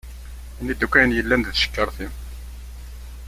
Ini-d akk ayen yellan deg tcekkaṛt-im.